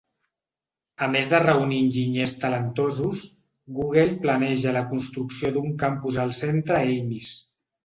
A més de reunir enginyers talentosos, Google planeja la construcció d'un campus al centre Ames.